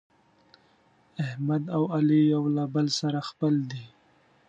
احمد او علي یو له بل سره خپل دي.